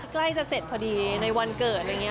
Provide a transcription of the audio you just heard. ใกล้จะเสร็จพอดีในวันเกิดอะไรอย่างนี้